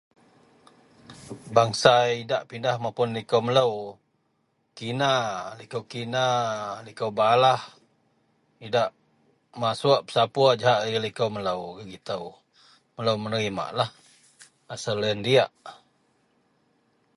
bangsa idak pindah mapun liko melou, kina likou kina likou balah idak masuk pesapur jahak gak liko melo gak gitou, melou menerimalah asal deloien diak